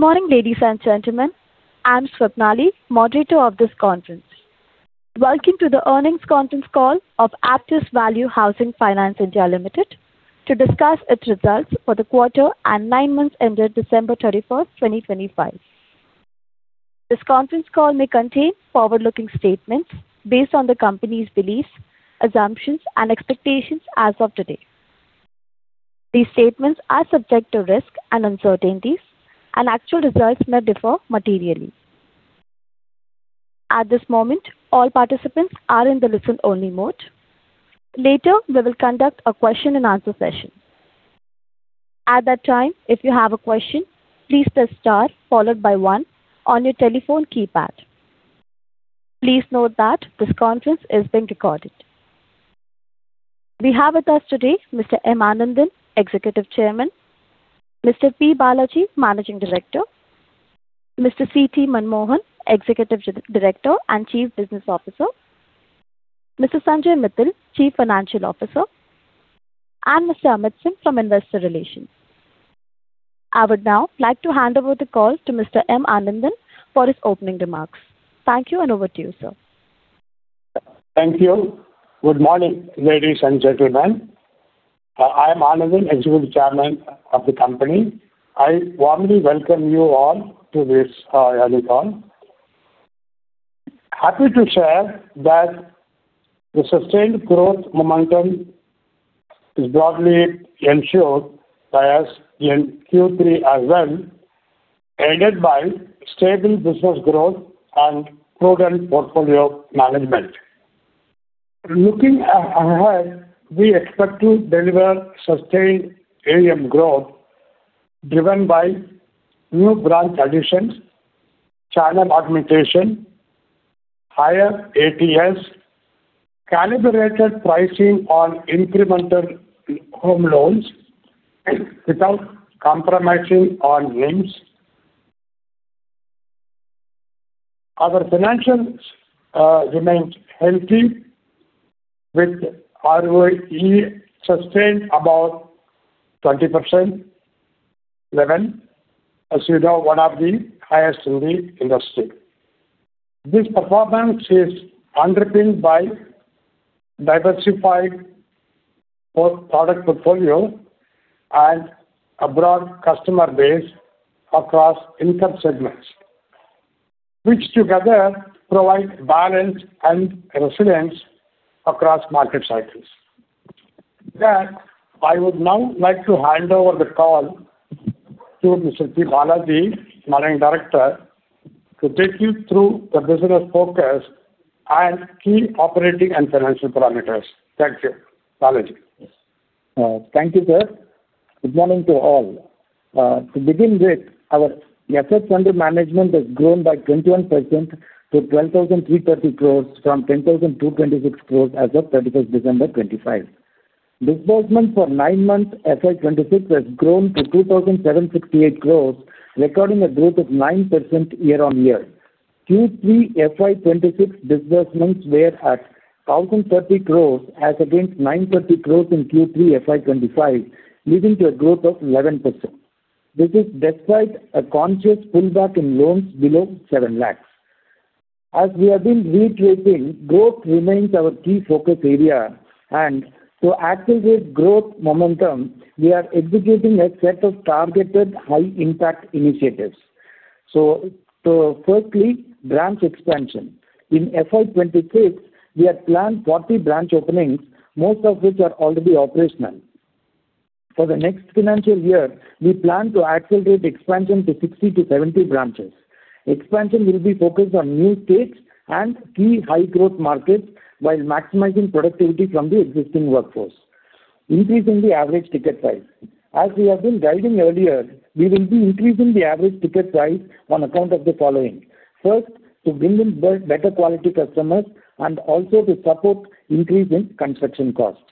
Good morning, ladies and gentlemen. I'm Swapnali, moderator of this conference. Welcome to the earnings conference call of Aptus Value Housing Finance India Limited, to discuss its results for the quarter and nine months ended December 31, 2025. This conference call may contain forward-looking statements based on the company's beliefs, assumptions, and expectations as of today. These statements are subject to risks and uncertainties, and actual results may differ materially. At this moment, all participants are in the listen-only mode. Later, we will conduct a question and answer session. At that time, if you have a question, please press star followed by one on your telephone keypad. Please note that this conference is being recorded. We have with us today Mr. M. Anandan, Executive Chairman; Mr. P. Balaji, Chief Managing Director; Mr. C. T. Manoharan, Executive Director and Chief Business Officer; Mr. Sanjay Mittal, Chief Financial Officer; and Mr. Amit Singh from Investor Relations. I would now like to hand over the call to Mr. M. Anandan for his opening remarks. Thank you, and over to you, sir. Thank you. Good morning, ladies and gentlemen. I am Anandan, Executive Chairman of the company. I warmly welcome you all to this annual call. Happy to share that the sustained growth momentum is broadly ensured by us in Q3 as well, aided by stable business growth and prudent portfolio management. Looking ahead, we expect to deliver sustained AUM growth, driven by new branch additions, channel augmentation, higher ATS, calibrated pricing on incremental home loans, without compromising on NIMs. Our financials remained healthy, with ROE sustained about 20% level, as you know, one of the highest in the industry. This performance is underpinned by diversified both product portfolio and a broad customer base across income segments, which together provide balance and resilience across market cycles. With that, I would now like to hand over the call to Mr. P. Bala, the Managing Director, to take you through the business forecast and key operating and financial parameters. Thank you. Bala? Thank you, sir. Good morning to all. To begin with, our asset under management has grown by 21% to 12,330 crores from 10,226 crores as of December 31, 2025. Disbursement for nine months, FY 2026, has grown to 2,768 crores, recording a growth of 9% year-on-year. Q3 FY 2026 disbursements were at 1,030 crores, as against 930 crores in Q3 FY 2025, leading to a growth of 11%. This is despite a conscious pullback in loans below 7 lakhs. As we have been reiterating, growth remains our key focus area, and to accelerate growth momentum, we are executing a set of targeted high-impact initiatives. First, branch expansion. In FY 2026, we had planned 40 branch openings, most of which are already operational. For the next financial year, we plan to accelerate expansion to 60-70 branches. Expansion will be focused on new states and key high-growth markets, while maximizing productivity from the existing workforce. Increasing the average ticket size. As we have been guiding earlier, we will be increasing the average ticket size on account of the following: first, to bring in better quality customers and also to support increase in construction costs.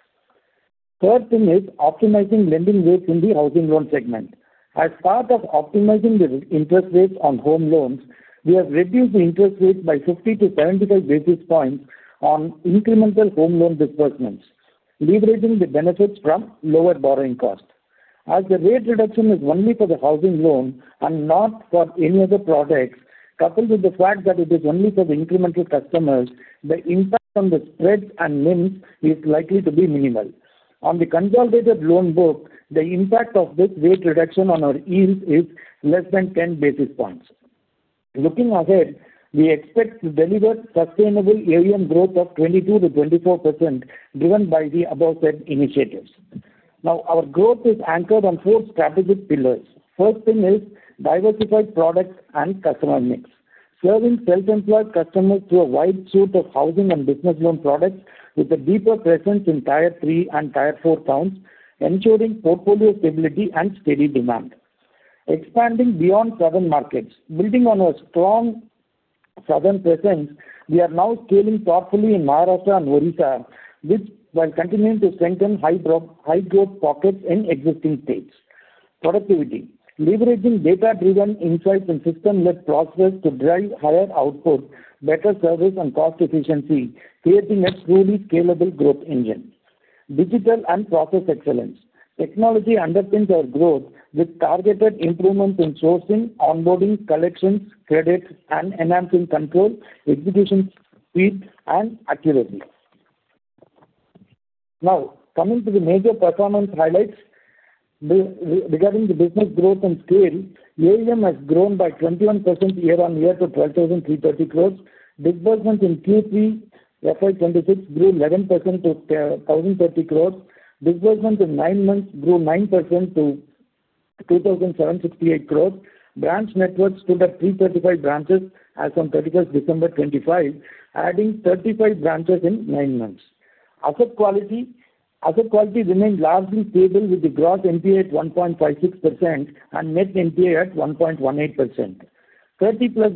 Third thing is optimizing lending rates in the housing loan segment. As part of optimizing the interest rates on home loans, we have reduced the interest rates by 50-75 basis points on incremental home loan disbursements, leveraging the benefits from lower borrowing costs. As the rate reduction is only for the housing loan and not for any other products, coupled with the fact that it is only for the incremental customers, the impact on the spreads and NIMs is likely to be minimal. On the consolidated loan book, the impact of this rate reduction on our yields is less than 10 basis points. Looking ahead, we expect to deliver sustainable AUM growth of 22%-24%, driven by the above said initiatives. Now, our growth is anchored on four strategic pillars. First thing is diversified products and customer mix. Serving self-employed customers through a wide suite of housing and business loan products with a deeper presence in Tier 3 and Tier 4 towns, ensuring portfolio stability and steady demand. Expanding beyond southern markets. Building on our strong southern presence, we are now scaling thoughtfully in Maharashtra and Odisha, which, while continuing to strengthen high growth pockets in existing states. Productivity. Leveraging data-driven insights and system-led processes to drive higher output, better service and cost efficiency, creating a truly scalable growth engine.... digital and process excellence. Technology underpins our growth with targeted improvements in sourcing, onboarding, collections, credits, and enhancing control, execution, speed, and accuracy. Now, coming to the major performance highlights, regarding the business growth and scale, AUM has grown by 21% year-on-year to 12,330 crores. Disbursement in Q3 FY 2026 grew 11% to 10,030 crores. Disbursement in nine months grew 9% to 2,768 crores. Branch networks stood at 335 branches as on 31 December 2025, adding 35 branches in nine months. Asset quality, asset quality remained largely stable, with the gross NPA at 1.56% and net NPA at 1.18%. 30+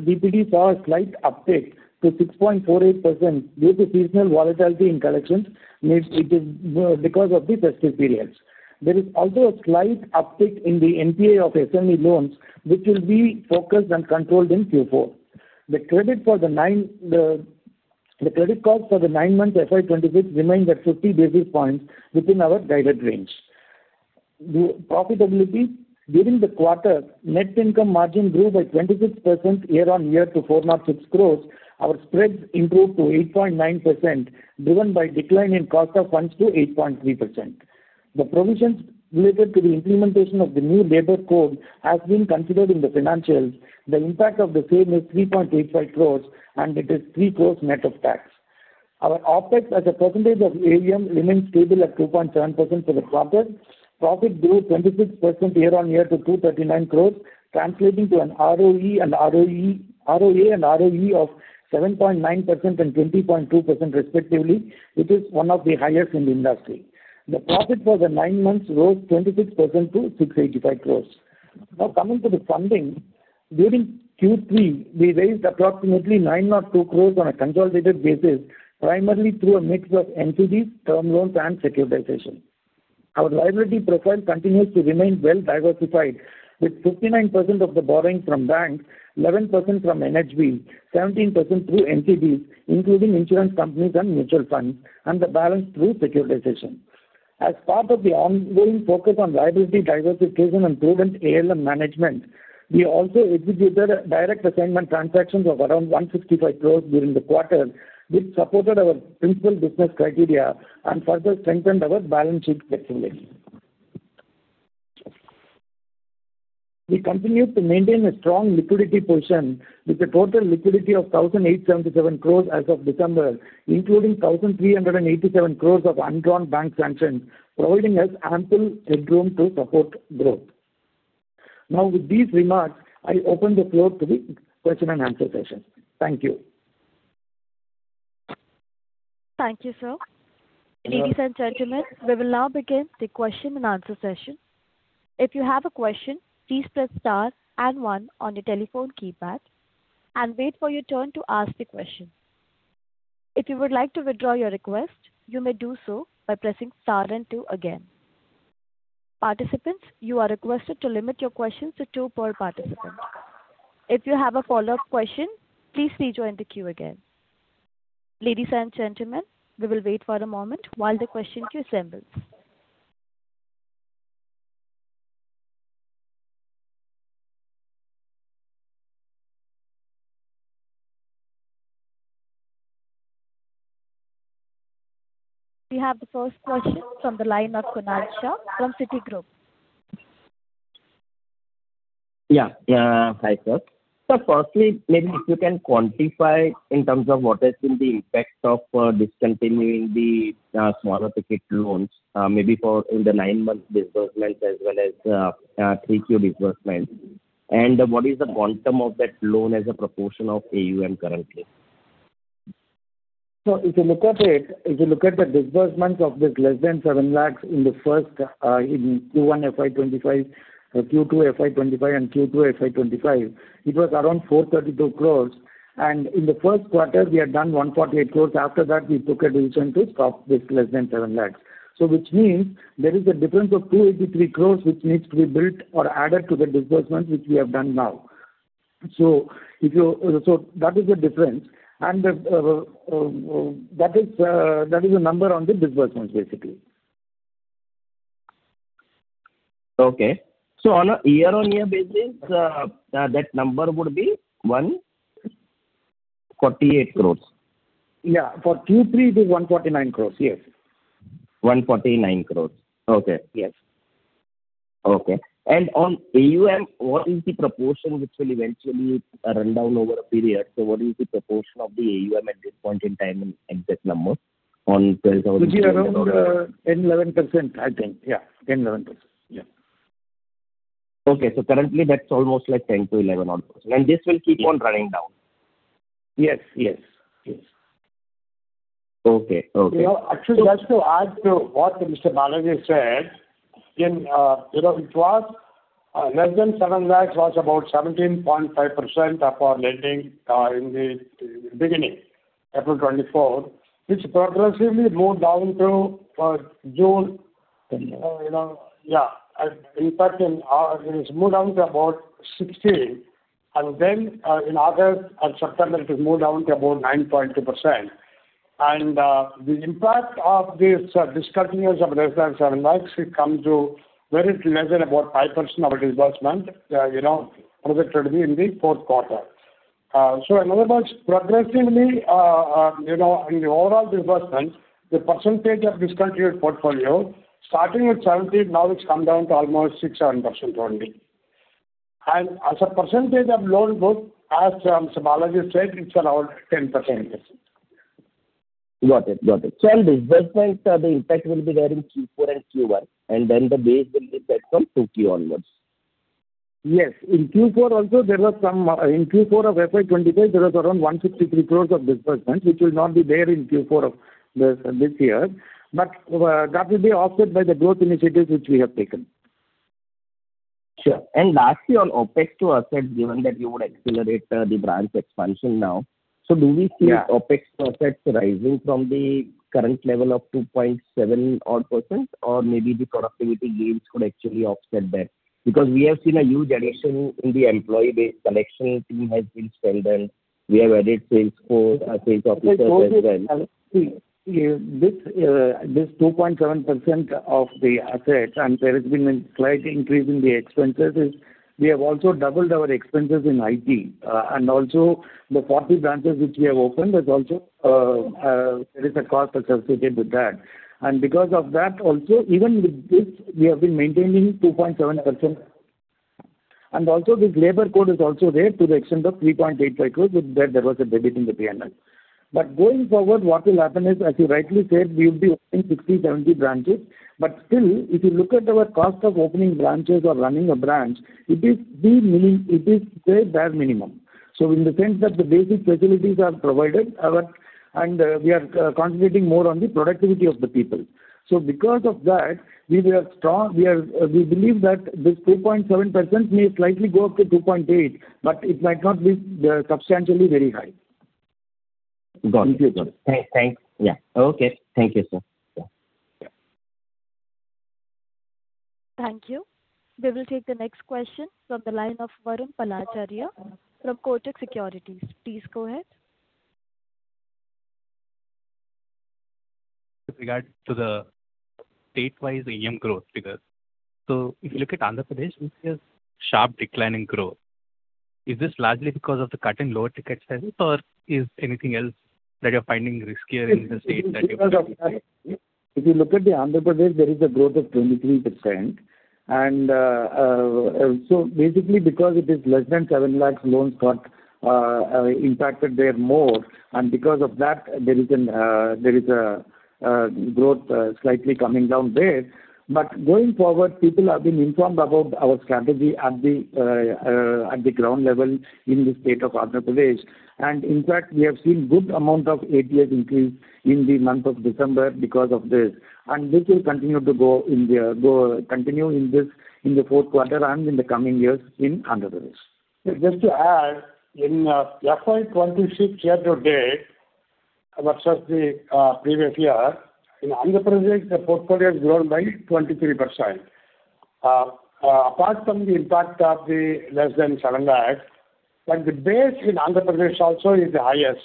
DPD saw a slight uptick to 6.48% due to seasonal volatility in collections. Indeed, it is because of the festive periods. There is also a slight uptick in the NPA of SME loans, which will be focused and controlled in Q4. The credit cost for the nine months FY 2026 remained at 50 basis points within our guided range. The profitability during the quarter, Net Interest Income grew by 26% year-on-year to 406 crores. Our spreads improved to 8.9%, driven by decline in cost of funds to 8.3%. The provisions related to the implementation of the new Labour Code has been considered in the financials. The impact of the same is 3.85 crores, and it is 3 crores net of tax. Our OpEx as a percentage of AUM remains stable at 2.7% for the quarter. Profit grew 26% year-on-year to 239 crores, translating to an ROA and ROE of 7.9% and 20.2% respectively, which is one of the highest in the industry. The profit for the 9 months rose 26% to 685 crores. Now, coming to the funding, during Q3, we raised approximately 902 crores on a consolidated basis, primarily through a mix of NCDs, term loans, and securitization. Our liability profile continues to remain well diversified, with 59% of the borrowing from banks, 11% from NHB, 17% through NCDs, including insurance companies and mutual funds, and the balance through securitization. As part of the ongoing focus on liability diversification and prudent ALM management, we also executed direct assignment transactions of around 165 crores during the quarter, which supported our principal business criteria and further strengthened our balance sheet flexibility. We continued to maintain a strong liquidity position with a total liquidity of 1,877 crores as of December, including 1,387 crores of undrawn bank sanctions, providing us ample headroom to support growth. Now, with these remarks, I open the floor to the question and answer session. Thank you. Thank you, sir. Ladies and gentlemen, we will now begin the question and answer session. If you have a question, please press star and one on your telephone keypad and wait for your turn to ask the question. If you would like to withdraw your request, you may do so by pressing star and two again. Participants, you are requested to limit your questions to two per participant. If you have a follow-up question, please rejoin the queue again. Ladies and gentlemen, we will wait for a moment while the question queue assembles. We have the first question from the line of Kunal Shah from Citigroup. Yeah. Yeah. Hi, sir. So firstly, maybe if you can quantify in terms of what has been the impact of discontinuing the smaller ticket loans, maybe for in the nine-month disbursement as well as three-tier disbursement. And what is the quantum of that loan as a proportion of AUM currently? So if you look at it, if you look at the disbursement of this less than 7 lakh in the first, in Q1 FY 2025, Q2 FY 2025, and Q2 FY 2025, it was around 432 crores, and in the first quarter, we had done 148 crores. After that, we took a decision to stop this less than 7 lakh. So which means there is a difference of 283 crores, which needs to be built or added to the disbursement, which we have done now. So that is the difference, and the, that is, that is the number on the disbursements, basically. Okay. So on a year-on-year basis, that number would be 148 crore? Yeah, for Q3, it is 149 crores. Yes. 149 crore. Okay. Yes. Okay. And on AUM, what is the proportion which will eventually run down over a period? So what is the proportion of the AUM at this point in time in that number on 12,000- Which is around 10%-11%, I think. Yeah, 10%-11%. Yeah. Okay. So currently, that's almost like 10-11 odd percent. And this will keep on running down? Yes. Yes. Yes. Okay. Okay. You know, actually, just to add to what Mr. Balaji said, in, you know, it was less than 7 lakhs, was about 17.5% of our lending in the beginning, April 2024, which progressively wrote down to June. So, you know, yeah, and in fact, in it has moved down to about 16, and then in August and September, it has moved down to about 9.2%. And the impact of this discontinuance of less than INR 7 lakhs, it come to very less than about 5% of our disbursement, you know, projected in the fourth quarter. So in other words, progressively, you know, in the overall disbursement, the percentage of discontinued portfolio starting with 17, now it's come down to almost 6%-7% only. And as a percentage of loan book, as Balaji said, it's around 10%. Got it. Got it. So disbursements, the impact will be there in Q4 and Q1, and then the base will be back from 2Q onwards. Yes. In Q4 also, there was in Q4 of FY 2025, there was around 163 crore of disbursement, which will not be there in Q4 of this year. But, that will be offset by the growth initiatives which we have taken. Sure. And lastly, on OpEx to asset, given that you would accelerate, the branch expansion now. So do we see- Yeah. OpEx to assets rising from the current level of 2.7 odd percent, or maybe the productivity gains could actually offset that? Because we have seen a huge addition in the employee base, collection team has been well done. We have added sales force, our sales officers as well. See, this, this 2.7% of the assets, and there has been a slight increase in the expenses, is we have also doubled our expenses in IT. And also the 40 branches which we have opened, that also, there is a cost associated with that. And because of that also, even with this, we have been maintaining 2.7%. And also this Labour Code is also there to the extent of 3.85 crores, with that there was a debit in the P&L. But going forward, what will happen is, as you rightly said, we will be opening 60, 70 branches. But still, if you look at our cost of opening branches or running a branch, it is a bare minimum. In the sense that the basic facilities are provided, we are concentrating more on the productivity of the people. So because of that, we were strong, we are, we believe that this 2.7% may slightly go up to 2.8%, but it might not be substantially very high. Got it. Got it. Thanks. Thanks. Yeah. Okay. Thank you, sir. Yeah. Thank you. We will take the next question from the line of Varun Palacharla from Kotak Securities. Please go ahead. With regard to the state-wise EM growth figures, so if you look at Andhra Pradesh, we see a sharp decline in growth. Is this largely because of the cut in lower ticket sizes, or is anything else that you're finding riskier in the state that you're looking at? If you look at the Andhra Pradesh, there is a growth of 23%. So basically because it is less than 7 lakhs loans got impacted there more, and because of that, there is a growth slightly coming down there. But going forward, people have been informed about our strategy at the ground level in the state of Andhra Pradesh. And in fact, we have seen good amount of ATS increase in the month of December because of this, and this will continue to go in the, continue in this, in the fourth quarter and in the coming years in Andhra Pradesh. Just to add, in FY 2026 year to date, versus the previous year, in Andhra Pradesh, the portfolio has grown by 23%. Apart from the impact of the less than 7 lakhs, but the base in Andhra Pradesh also is the highest,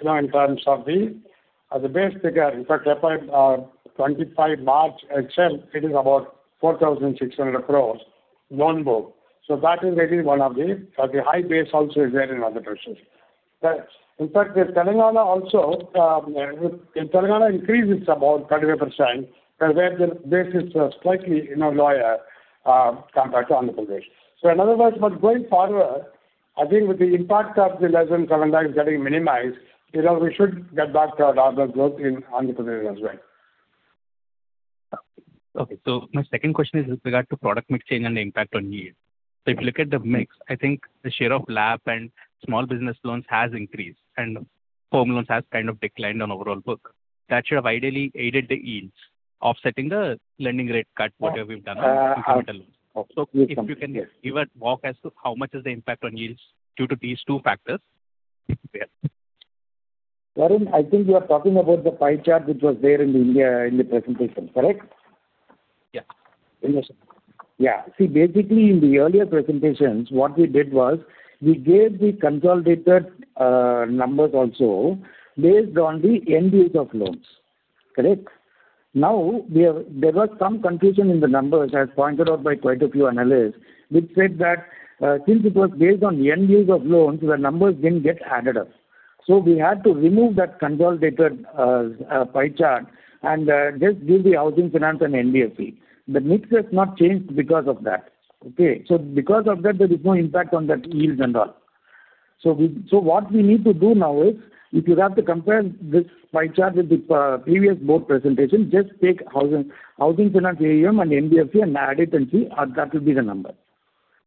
you know, in terms of the base figure. In fact, 25 March itself, it is about 4,600 crores loan book. So that is maybe one of the high base also is there in Andhra Pradesh. But in fact, in Telangana also, in Telangana increase is about 30%, but where the base is slightly, you know, lower compared to Andhra Pradesh. In other words, but going forward, I think with the impact of the less than INR 7 lakhs getting minimized, you know, we should get back to a rather growth in Andhra Pradesh as well. Okay. So my second question is with regard to product mix change and the impact on yield. So if you look at the mix, I think the share of LAP and small business loans has increased, and home loans has kind of declined on overall book. That should have ideally aided the yields, offsetting the lending rate cut, whatever you've done on loans. Uh, okay. So if you can give a walk as to how much is the impact on yields due to these two factors? Yeah. Varun, I think you are talking about the pie chart, which was there in the presentation, correct? Yeah. Yeah. See, basically, in the earlier presentations, what we did was we gave the consolidated, numbers also based on the end use of loans. Correct? Now... There was some confusion in the numbers, as pointed out by quite a few analysts, which said that, since it was based on end use of loans, the numbers didn't get added up. So we had to remove that consolidated, pie chart and, just give the housing finance and NBFC. The mix has not changed because of that. Okay? So because of that, there is no impact on that yields and all. So we, so what we need to do now is, if you have to compare this pie chart with the previous board presentation, just take housing, housing finance AUM and NBFC and add it and see, that will be the number.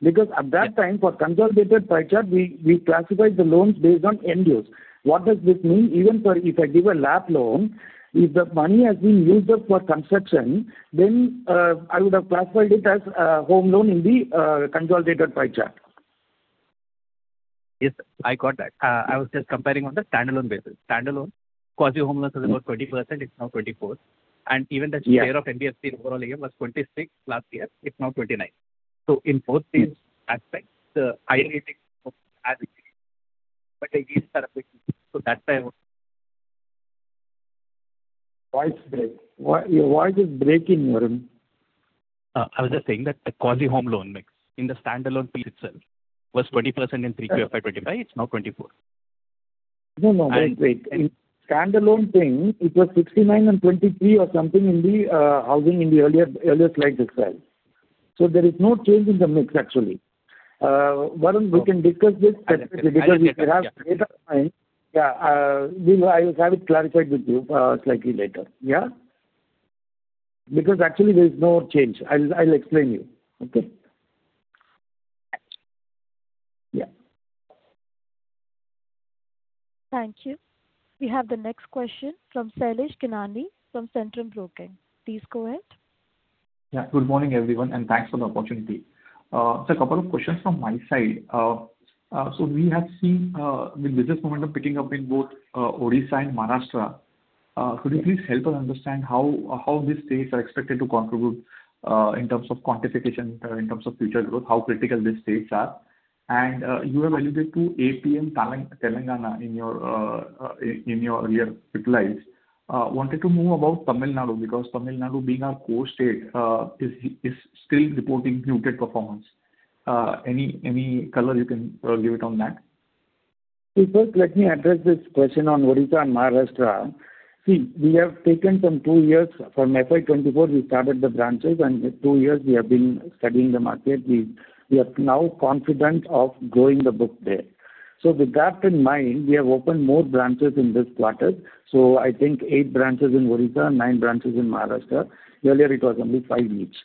Because at that time, for consolidated pie chart, we classified the loans based on end use. What does this mean? Even for if I give a LAP loan, if the money has been used up for construction, then I would have classified it as home loan in the consolidated pie chart. Yes, I got that. I was just comparing on the standalone basis. Standalone quasi-home loans is about 20%, it's now 24. And even the share- Yeah. Of NBFC overall again, was 26 last year, it's now 29. So in both these aspects, the high rating so that's why I was- Voice break. Your voice is breaking, Varun. I was just saying that the quasi-home loan mix in the standalone itself was 20% in 3Q FY25, it's now 24. No, no, wait, wait. And- In standalone thing, it was 69 and 23 or something in the housing in the earlier slide you said. So there is no change in the mix, actually. Varun, we can discuss this because we have data point. Yeah, we'll, I will have it clarified with you slightly later. Yeah? Because actually there is no change. I'll explain to you. Okay. Yeah. Thank you. We have the next question from Shailesh Kanani from Centrum Broking. Please go ahead. Yeah. Good morning, everyone, and thanks for the opportunity. So a couple of questions from my side. So we have seen the business momentum picking up in both Odisha and Maharashtra. Could you please help us understand how these states are expected to contribute in terms of quantification in terms of future growth, how critical these states are? And you have alluded to AP and Telangana in your earlier replies. Wanted to know about Tamil Nadu, because Tamil Nadu, being our core state, is still reporting muted performance. Any color you can give it on that? So first, let me address this question on Odisha and Maharashtra. See, we have taken some two years. From FY 2024, we started the branches, and two years we have been studying the market. We, we are now confident of growing the book there. So with that in mind, we have opened more branches in this quarter. So I think eight branches in Odisha and nine branches in Maharashtra. Earlier, it was only five each.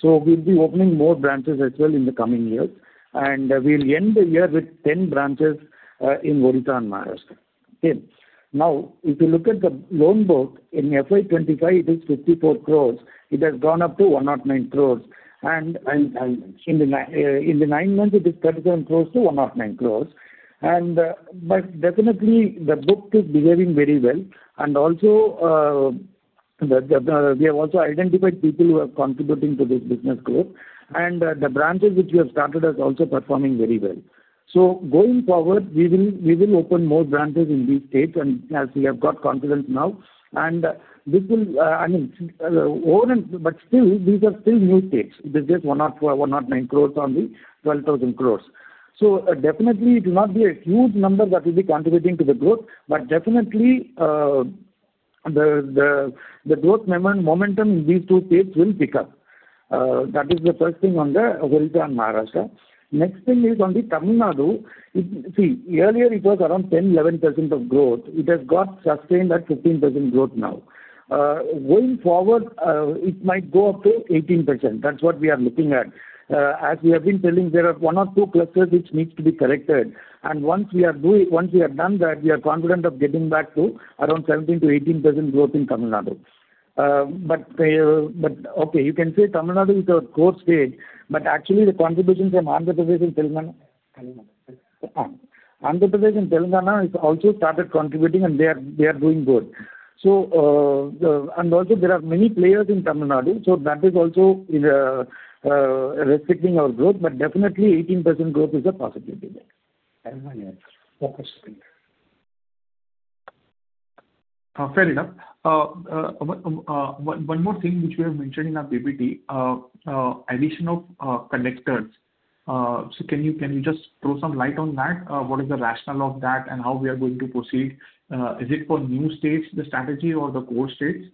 So we'll be opening more branches as well in the coming years, and we'll end the year with 10 branches in Odisha and Maharashtra. Okay. Now, if you look at the loan book, in FY 2025, it is 54 crores. It has gone up to 109 crores. And in the nine months, it is 37 crores to 109 crores. But definitely, the book is behaving very well. And also, we have also identified people who are contributing to this business growth. And, the branches which we have started are also performing very well. So going forward, we will open more branches in these states, and as we have got confidence now, and this will, I mean, over and... But still, these are still new states. This is 104 crores, 109 crores on the 12,000 crores. So, definitely it will not be a huge number that will be contributing to the growth, but definitely, the growth momentum in these two states will pick up. That is the first thing on the Odisha and Maharashtra. Next thing is on the Tamil Nadu. Earlier it was around 10, 11% of growth. It has got sustained at 15% growth now. Going forward, it might go up to 18%. That's what we are looking at. As we have been telling, there are one or two clusters which needs to be corrected, and once we have done that, we are confident of getting back to around 17%-18% growth in Tamil Nadu. But okay, you can say Tamil Nadu is a growth state, but actually the contribution from Andhra Pradesh and Telangana. Andhra Pradesh and Telangana has also started contributing, and they are doing good. So, the, and also there are many players in Tamil Nadu, so that is also restricting our growth, but definitely 18% growth is a possibility there. Fair enough. One more thing which we have mentioned in our PPT, addition of connectors. So can you just throw some light on that? What is the rationale of that, and how we are going to proceed? Is it for new states, the strategy or the core states?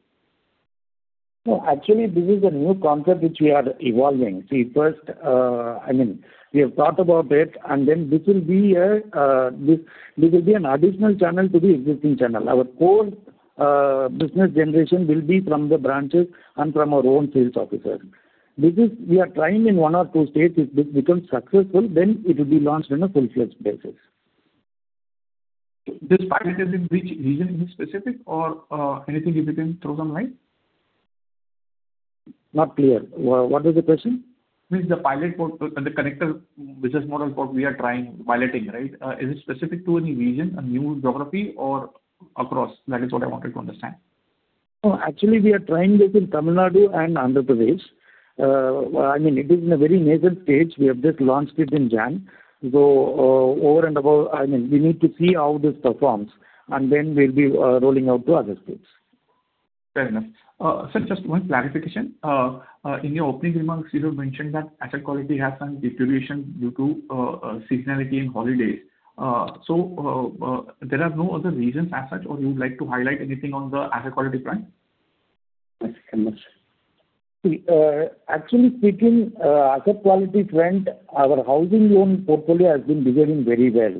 No, actually, this is a new concept which we are evolving. See, first, I mean, we have thought about it, and then this will be an additional channel to the existing channel. Our core business generation will be from the branches and from our own sales officer. This is. We are trying in one or two states. If this becomes successful, then it will be launched on a full-fledged basis. This pilot is in which region, is it specific or, anything you can throw some light? Not clear. What is the question? Means the pilot for the collector business model for we are trying piloting, right? Is it specific to any region, a new geography or across? That is what I wanted to understand. No, actually, we are trying this in Tamil Nadu and Andhra Pradesh. I mean, it is in a very nascent stage. We have just launched it in January. So, over and above, I mean, we need to see how this performs, and then we'll be rolling out to other states. Fair enough. Sir, just one clarification. In your opening remarks, you have mentioned that asset quality has some deterioration due to seasonality and holidays. So, there are no other reasons as such, or you would like to highlight anything on the asset quality front? Thanks very much. See, actually speaking, asset quality front, our housing loan portfolio has been behaving very well.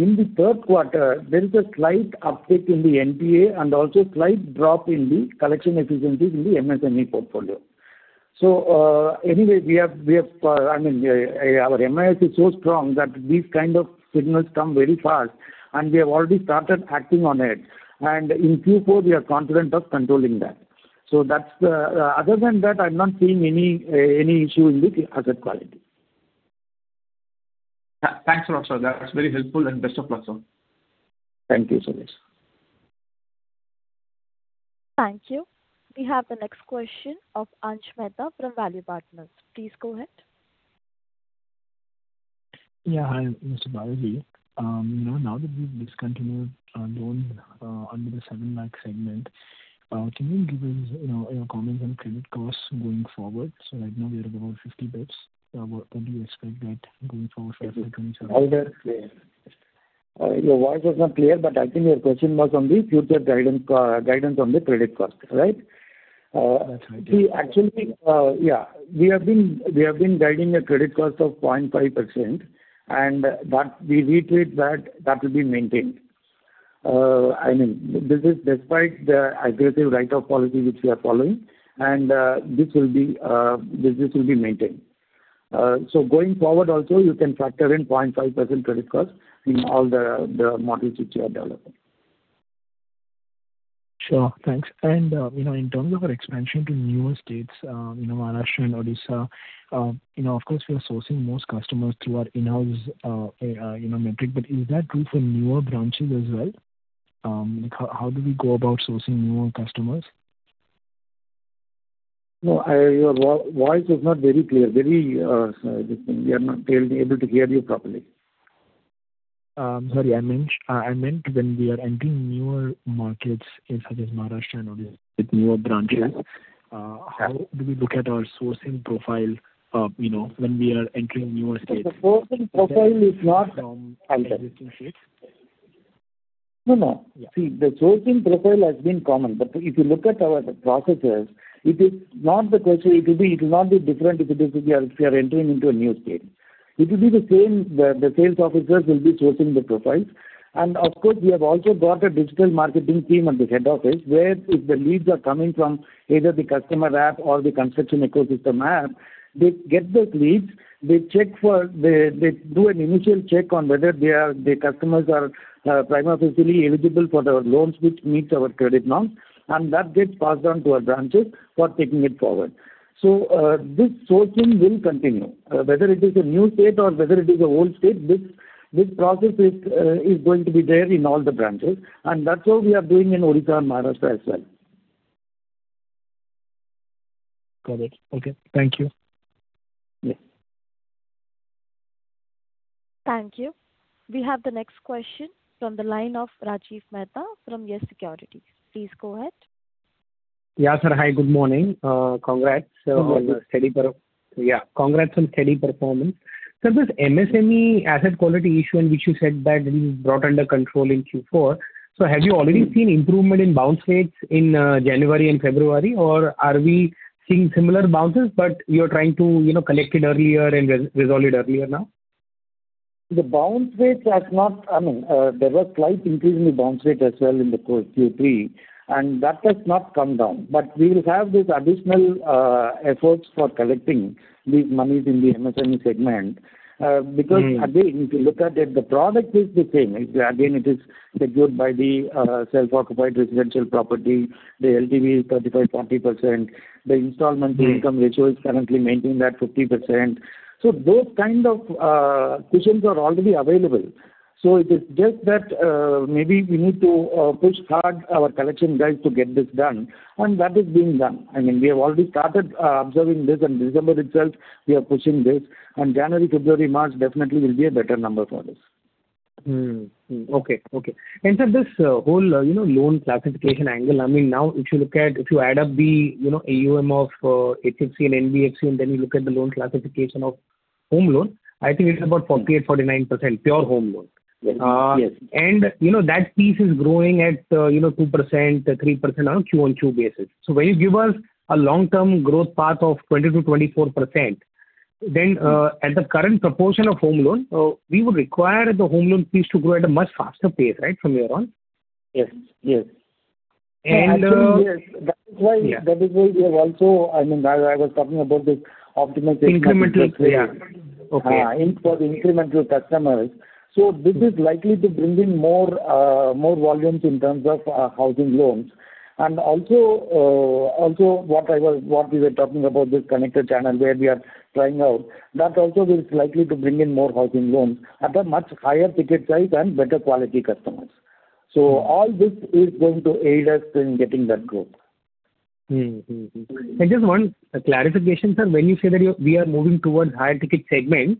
In the third quarter, there is a slight uptick in the NPA and also a slight drop in the collection efficiencies in the MSME portfolio. So, anyway, we have, we have, I mean, our MIS is so strong that these kind of signals come very fast, and we have already started acting on it. And in Q4, we are confident of controlling that. So that's the, other than that, I'm not seeing any, any issue in the asset quality. Thanks a lot, sir. That's very helpful, and best of luck, sir. Thank you, Shailesh. Thank you. We have the next question of Ansh Mehta from Value Partners. Please go ahead. Yeah, hi, Mr. Balaji. You know, now that we've discontinued our loan under the 7 lakh segment, can you give us, you know, your comments on credit costs going forward? So right now, we are about 50 basis points. What can we expect that going forward for, like, 2027? Your voice was not clear, but I think your question was on the future guidance, guidance on the credit cost, right? That's right. See, actually, yeah, we have been, we have been guiding a credit cost of 0.5%, and that, we repeat that, that will be maintained. I mean, this is despite the aggressive write-off policy which we are following, and, this will be, this will be maintained. So going forward also, you can factor in 0.5% credit cost in all the, the models which you are developing. Sure. Thanks. And, you know, in terms of our expansion to newer states, you know, Maharashtra and Odisha, you know, of course, we are sourcing most customers through our in-house, you know, metric, but is that true for newer branches as well? How do we go about sourcing newer customers? No, your voice is not very clear. Very, this thing, we are not able to hear you properly. Sorry. I meant, I meant when we are entering newer markets, in such as Maharashtra and Odisha, with newer branches, how do we look at our sourcing profile, you know, when we are entering newer states? The sourcing profile is not- Existing states. No, no. Yeah. See, the sourcing profile has been common, but if you look at our processes, it is not the question, it will not be different if we are entering into a new state. It will be the same, the sales officers will be sourcing the profiles. And of course, we have also got a digital marketing team at the head office, where if the leads are coming from either the customer app or the construction ecosystem app, they get those leads, they check for... They do an initial check on whether they are, the customers are prima facie eligible for the loans, which meets our credit norms, and that gets passed on to our branches for taking it forward. So, this sourcing will continue. Whether it is a new state or whether it is an old state, this process is going to be there in all the branches, and that's what we are doing in Odisha and Maharashtra as well. Got it. Okay. Thank you. Yeah. Thank you. We have the next question from the line of Rajiv Mehta from Yes Securities. Please go ahead. Yeah, sir. Hi, good morning. Congrats. Good morning. Yeah, congrats on steady performance. Sir, this MSME asset quality issue in which you said that it is brought under control in Q4, so have you already seen improvement in bounce rates in January and February? Or are we seeing similar bounces, but you are trying to, you know, collect it earlier and resolve it earlier now? The bounce rates has not, I mean, there was slight increase in the bounce rate as well in the course Q3, and that has not come down. But we will have these additional efforts for collecting these monies in the MSME segment. Mm. Because again, if you look at it, the product is the same. Again, it is secured by the self-occupied residential property. The LTV is 35%-40%. The installment- Mm. Income ratio is currently maintained at 50%. So those kind of cushions are already available. So it is just that, maybe we need to push hard our collection guys to get this done, and that is being done. I mean, we have already started observing this in December itself. We are pushing this. And January, February, March, definitely will be a better number for this. Okay, okay. Sir, this whole, you know, loan classification angle, I mean, now if you look at, if you add up the, you know, AUM of HFC and NBFC, and then you look at the loan classification of home loan, I think it's about 48%-49%, pure home loan. Yes. You know, that piece is growing at, you know, 2%, 3% on a Q-on-Q basis. So when you give us a long-term growth path of 20%-24%, then, at the current proportion of home loan, we would require the home loan piece to grow at a much faster pace, right, from here on? Yes, yes. And, uh- Yes, that is why- Yeah. That is why we have also... I mean, I, I was talking about this optimization- Incremental, yeah. Okay. For the incremental customers. So this is likely to bring in more more volumes in terms of housing loans. And also also what we were talking about, this connector channel, where we are trying out, that also is likely to bring in more housing loans at a much higher ticket size and better quality customers. So all this is going to aid us in getting that growth. Mm-hmm. Just one clarification, sir. When you say that you, we are moving towards higher ticket segment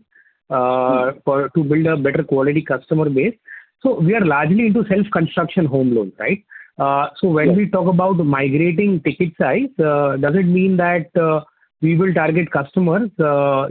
for to build a better quality customer base, so we are largely into self-construction home loans, right? Yes. So when we talk about migrating ticket size, does it mean that we will target customers,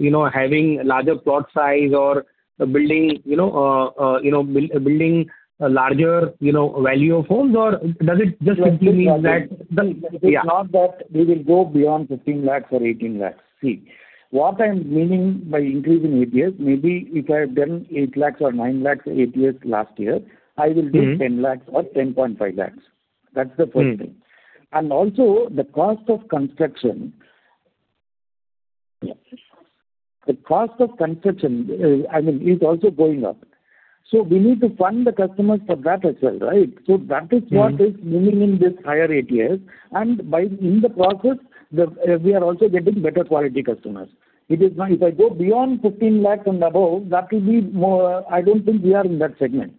you know, having larger plot size or building, you know, building a larger, you know, value of homes? Or does it just simply mean that- It's not that- Yeah. We will go beyond 15 lakhs or 18 lakhs. See, what I'm meaning by increasing ATS, maybe if I have done 8 lakhs or 9 lakhs ATS last year, I will do- Mm-hmm 10 lakhs or 10.5 lakhs. That's the first thing. Mm. And also, the cost of construction, I mean, is also going up. So we need to fund the customers for that as well, right? So that is what- Mm-hmm. is moving in this higher ATS, and by, in the process, the, we are also getting better quality customers. It is now if I go beyond 15 lakh and above, that will be more... I don't think we are in that segment.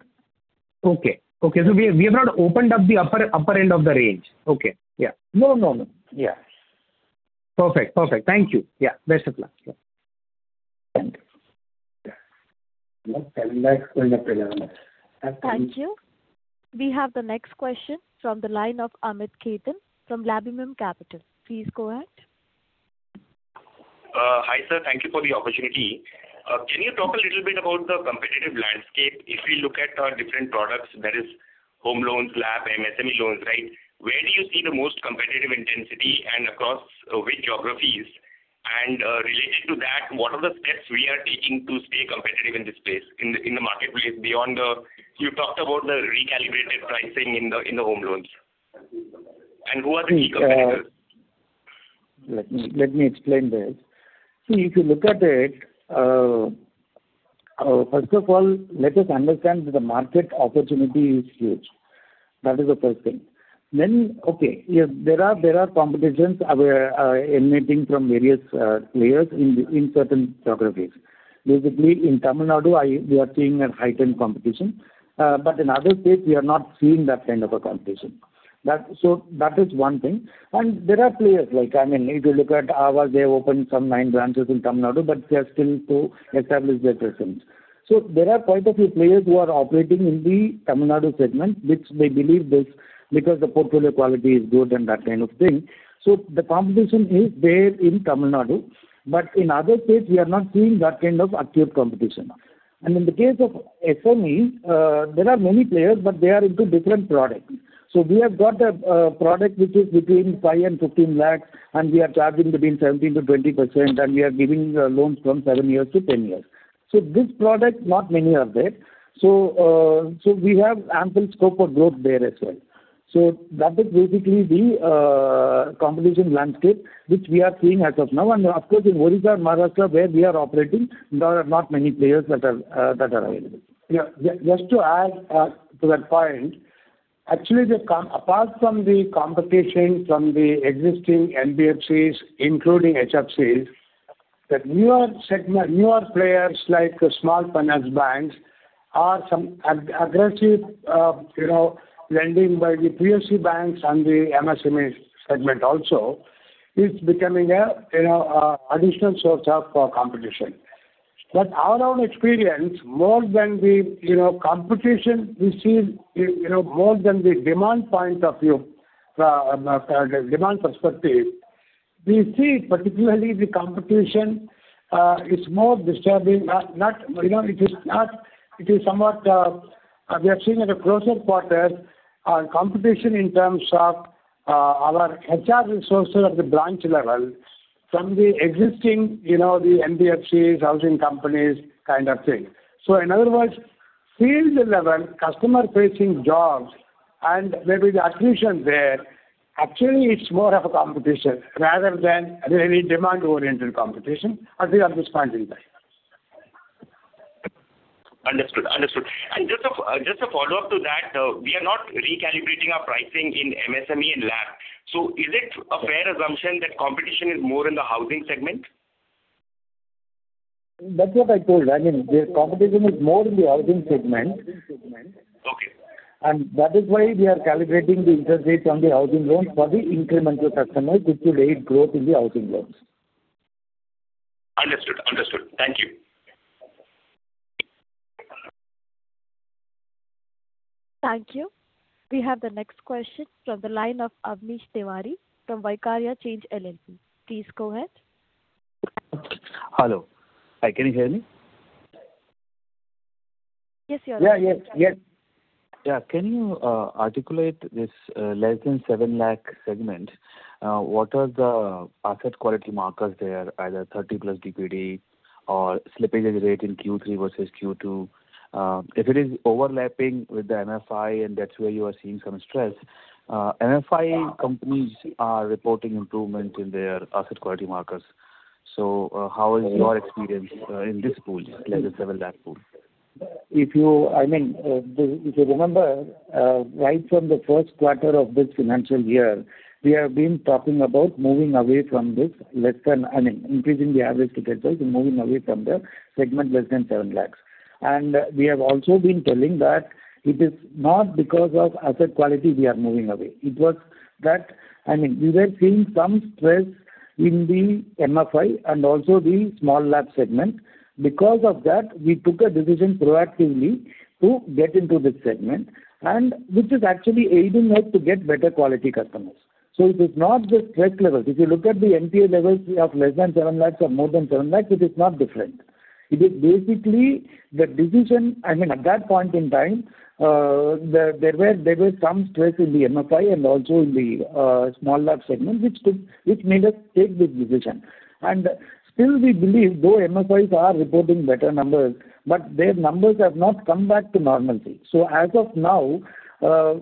Okay. Okay, so we have not opened up the upper end of the range. Okay, yeah. No, no, no. Yeah. Perfect. Perfect. Thank you. Yeah, best of luck. Thank you. Yeah. Thank you. We have the next question from the line of Amit Khetan from Laburnum Capital. Please go ahead. Hi, sir. Thank you for the opportunity. Can you talk a little bit about the competitive landscape? If we look at different products, that is, home loans, LAP and SME loans, right? Where do you see the most competitive intensity and across which geographies? And related to that, what are the steps we are taking to stay competitive in this space, in the marketplace, beyond the... You talked about the recalibrated pricing in the home loans. And who are the competitors? Let me explain this. See, if you look at it, first of all, let us understand that the market opportunity is huge. That is the first thing. Then, okay, yes, there are competitions emanating from various players in certain geographies. Basically, in Tamil Nadu, we are seeing a heightened competition, but in other states, we are not seeing that kind of a competition. That, so that is one thing. And there are players like, I mean, if you look at Aavas, they have opened some 9 branches in Tamil Nadu, but they are still to establish their presence. So there are quite a few players who are operating in the Tamil Nadu segment, which they believe this because the portfolio quality is good and that kind of thing. So the competition is there in Tamil Nadu, but in other states, we are not seeing that kind of acute competition. And in the case of SME, there are many players, but they are into different products. So we have got a, a product which is between 5-15 lakhs, and we are charging 17%-20%, and we are giving loans from 7 years to 10 years. So this product, not many are there. So, so we have ample scope for growth there as well. So that is basically the competition landscape which we are seeing as of now. And of course, in Odisha and Maharashtra, where we are operating, there are not many players that are, that are available. Yeah. Just to add to that point, actually, apart from the competition from the existing NBFCs, including HFCs, the newer segment, newer players like the small finance banks, are some aggressive, you know, lending by the PSU banks and the MSME segment also, is becoming a, you know, a additional source of for competition. But our own experience, more than the, you know, competition we see, you know, more than the demand point of view, the demand perspective, we see particularly the competition is more disturbing. Not, you know, it is not, it is somewhat, we have seen at closer quarters, competition in terms of our HR resources at the branch level from the existing, you know, the NBFCs, housing companies, kind of thing. So in other words, field level, customer-facing jobs and maybe the attrition there, actually it's more of a competition rather than really demand-oriented competition, as we understand it. Understood. Understood. Just a follow-up to that, we are not recalibrating our pricing in MSME and LAP. So is it a fair assumption that competition is more in the housing segment? That's what I told. I mean, the competition is more in the housing segment. Okay. That is why we are calibrating the interest rates on the housing loans for the incremental customers, which will aid growth in the housing loans. Understood. Understood. Thank you. Thank you. We have the next question from the line of Avnish Tiwari from Vaikarya Change LLP. Please go ahead. Hello. Hi, can you hear me? Yes, we hear you. Yeah, yes. Yes. Yeah. Can you articulate this less than 7 lakh segment? What are the asset quality markers there, either 30+ DPD or slippage rate in Q3 versus Q2? If it is overlapping with the MFI, and that's where you are seeing some stress, MFI companies are reporting improvement in their asset quality markers. So, how is your experience in this pool, less than INR 7 lakh pool? If you remember, right from the first quarter of this financial year, we have been talking about moving away from this less than, I mean, increasing the average ticket size and moving away from the segment less than 7 lakhs. We have also been telling that it is not because of asset quality we are moving away. It was that, I mean, we were seeing some stress in the MFI and also the small LAP segment. Because of that, we took a decision proactively to get into this segment, and which is actually aiding us to get better quality customers. So it is not the threat level. If you look at the NPA levels of less than 7 lakhs or more than 7 lakhs, it is not different. It is basically the decision, I mean, at that point in time, there was some stress in the MFI and also in the small LAP segment, which made us take this decision. Still we believe, though MFIs are reporting better numbers, but their numbers have not come back to normalcy. So as of now,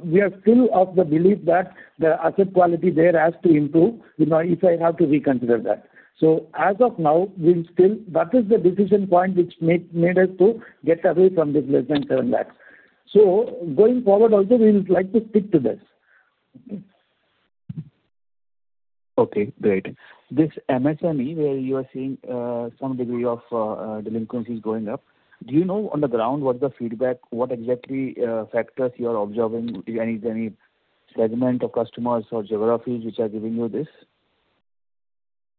we are still of the belief that the asset quality there has to improve if I have to reconsider that. So as of now, we still, that is the decision point which made us to get away from this less than 7 lakhs. So going forward also, we would like to stick to this. Okay, great. This MSME, where you are seeing some degree of delinquencies going up, do you know on the ground what the feedback, what exactly factors you are observing, any, any segment of customers or geographies which are giving you this?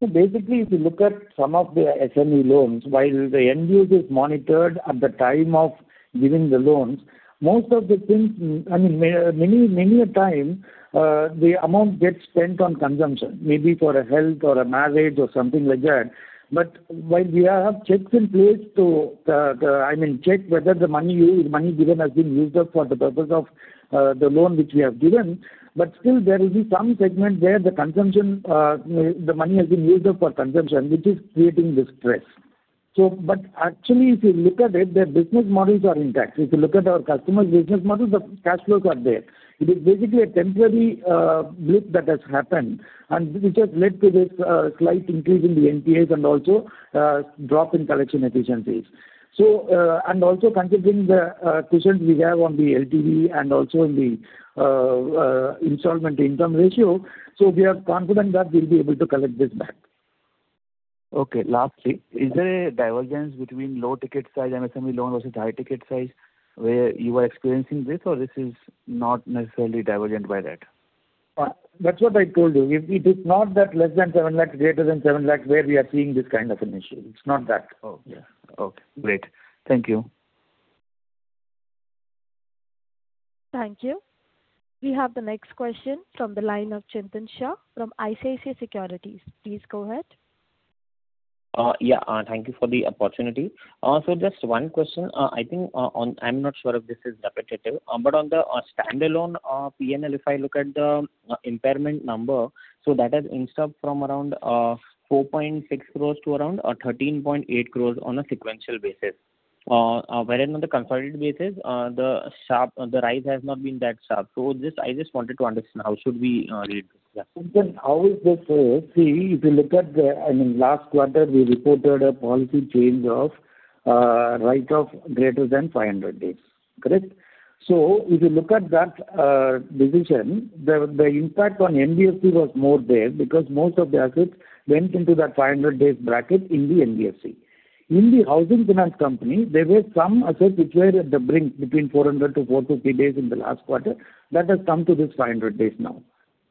So basically, if you look at some of the SME loans, while the end use is monitored at the time of giving the loans, most of the things, I mean, many, many a time, the amount gets spent on consumption, maybe for a health or a marriage or something like that. But while we have checks in place to, the, I mean, check whether the money used, money given has been used up for the purpose of, the loan which we have given, but still there is some segment where the consumption, the money has been used up for consumption, which is creating this stress. But actually, if you look at it, their business models are intact. If you look at our customers' business model, the cash flows are there. It is basically a temporary blip that has happened, and which has led to this slight increase in the NPAs and also drop in collection efficiencies. So, and also considering the cushions we have on the LTV and also in the installment-income ratio, so we are confident that we'll be able to collect this back. Okay. Lastly, is there a divergence between low ticket size MSME loan versus high ticket size, where you are experiencing this, or this is not necessarily divergent by that? That's what I told you. It is not that less than 7 lakh, greater than 7 lakh, where we are seeing this kind of an issue. It's not that. Oh, yeah. Okay, great. Thank you. Thank you. We have the next question from the line of Chintan Shah from ICICI Securities. Please go ahead. Yeah, thank you for the opportunity. So just one question. I think on... I'm not sure if this is repetitive, but on the standalone PNL, if I look at the impairment number, so that has increased from around 4.6 crores to around 13.8 crores on a sequential basis. Wherein on the consolidated basis, the sharp, the rise has not been that sharp. So just, I just wanted to understand, how should we read that? Chintan, how is this? See, if you look at the, I mean, last quarter, we reported a policy change of write-off greater than 500 days. Correct? So if you look at that decision, the impact on NBFC was more there because most of the assets went into that 500 days bracket in the NBFC. In the housing finance company, there were some assets which were at the brink between 400-450 days in the last quarter. That has come to this 500 days now.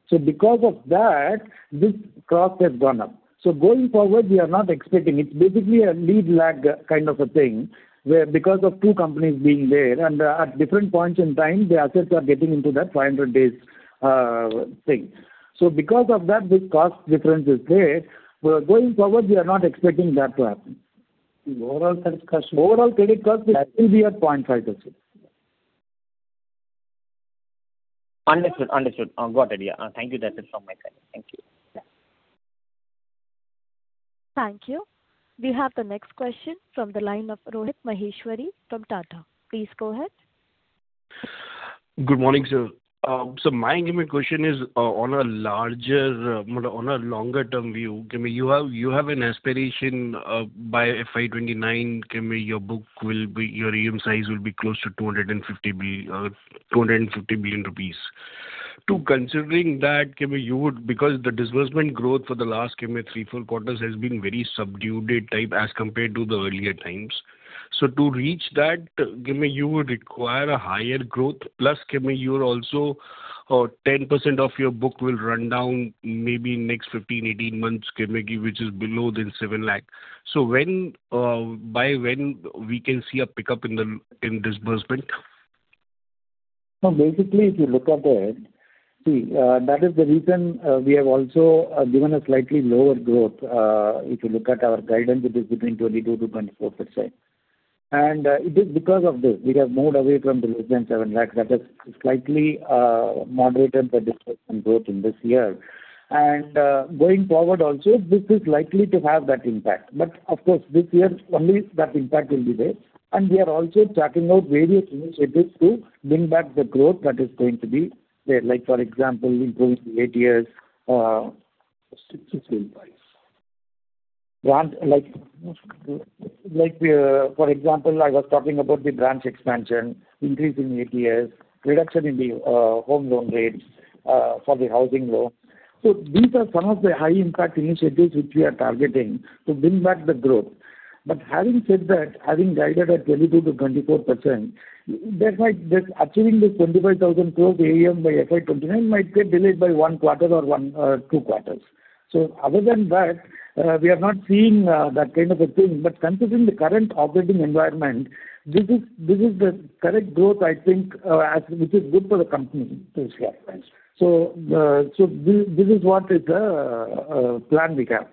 So because of that, this cost has gone up. So going forward, we are not expecting it. It's basically a lead lag kind of a thing, where because of two companies being there, and at different points in time, the assets are getting into that 500 days thing. So because of that, this cost difference is there. But going forward, we are not expecting that to happen. The overall credit cost will still be at 0.5%-0.6%. Understood, understood. Got it. Yeah. Thank you. That is all my query. Thank you. Thank you. We have the next question from the line of Rohit Maheshwari from Tata. Please go ahead. Good morning, sir. So my question is, on a larger, on a longer term view, you have an aspiration, by FY 2029, your book will be, your AUM size will be close to 250 billion rupees. Considering that, you would, because the disbursement growth for the last 3-4 quarters has been very subdued type as compared to the earlier times. So to reach that, you would require a higher growth, plus, you will also, 10% of your book will run down maybe next 15-18 months, which is below the 7 lakh. So when, by when we can see a pickup in the, in disbursement? So basically, if you look at it, see, that is the reason, we have also given a slightly lower growth. If you look at our guidance, it is between 22%-24%. And, it is because of this, we have moved away from the less than 7 lakhs. That has slightly moderated the disbursement growth in this year. And, going forward also, this is likely to have that impact. But of course, this year only that impact will be there. And we are also charting out various initiatives to bring back the growth that is going to be there. Like, for example, increasing ATS, like, for example, I was talking about the branch expansion, increase in ATS, reduction in the home loan rates, for the housing loan. So these are some of the high impact initiatives which we are targeting to bring back the growth. But having said that, having guided at 22%-24%, there might, this achieving this 25,000 crore AUM by FY 2029 might get delayed by one quarter or one or two quarters. So other than that, we are not seeing that kind of a thing. But considering the current operating environment, this is, this is the correct growth, I think, as which is good for the company to scale. So, so this, this is what is the plan we have.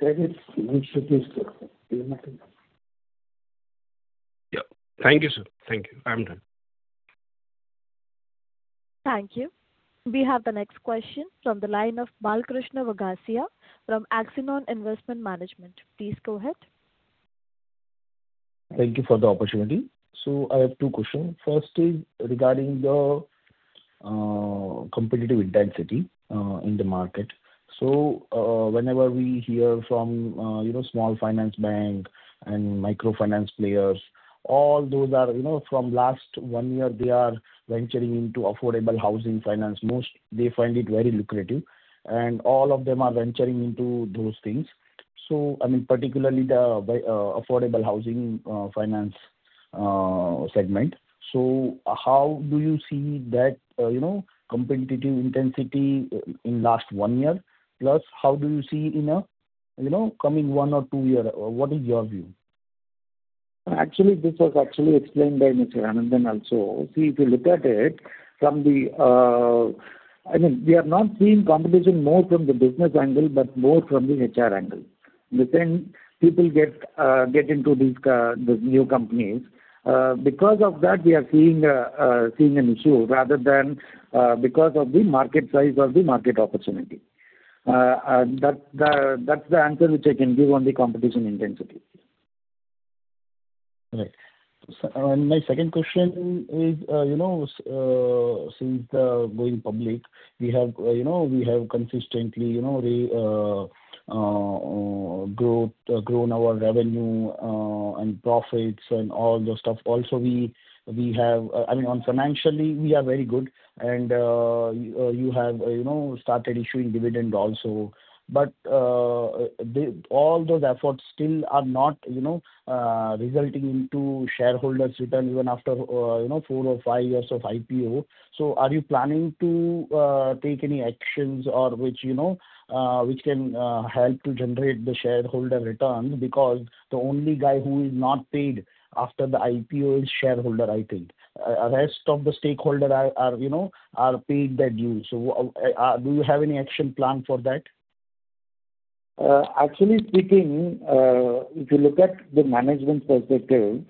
That is... Yeah. Thank you, sir. Thank you. I'm done. Thank you. We have the next question from the line of Balkrushna Vaghasia from Axanoun Investment Management. Please go ahead. Thank you for the opportunity. I have two questions. First is regarding your- Competitive intensity in the market. So, whenever we hear from, you know, small finance bank and microfinance players, all those are, you know, from last one year they are venturing into affordable housing finance. Most they find it very lucrative, and all of them are venturing into those things. So, I mean, particularly the buy affordable housing finance segment. So how do you see that, you know, competitive intensity in last one year? Plus, how do you see in a, you know, coming one or two year? What is your view? Actually, this was actually explained by Mr. Anandan also. See, if you look at it from the, I mean, we have not seen competition more from the business angle, but more from the HR angle. The thing, people get into these new companies, because of that, we are seeing an issue rather than because of the market size or the market opportunity. That's the answer which I can give on the competition intensity. Right. So, my second question is, you know, since going public, we have, you know, we have consistently, you know, grown our revenue, and profits and all those stuff. Also, we have, I mean, financially, we are very good, and, you have, you know, started issuing dividend also. But, all those efforts still are not, you know, resulting into shareholders' return even after, you know, four or five years of IPO. So are you planning to, take any actions or which, you know, which can, help to generate the shareholder return? Because the only guy who is not paid after the IPO is shareholder, I think. Rest of the stakeholder are, you know, paid their dues. So, do you have any action plan for that? Actually speaking, if you look at the management perspective,